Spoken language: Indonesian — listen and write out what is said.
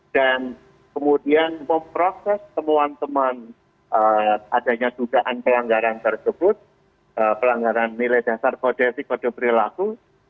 dan kemudian memproses temuan teman adanya dugaan pelanggaran tersebut pelanggaran nilai dasar kode etik kode berlaku